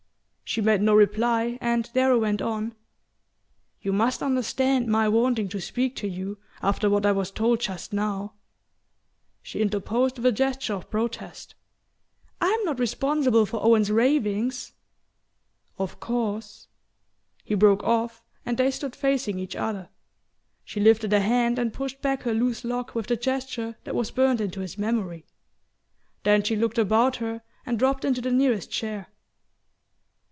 She made no reply, and Darrow went on: "You must understand my wanting to speak to you, after what I was told just now." She interposed, with a gesture of protest: "I'm not responsible for Owen's ravings!" "Of course ". He broke off and they stood facing each other. She lifted a hand and pushed back her loose lock with the gesture that was burnt into his memory; then she looked about her and dropped into the nearest chair.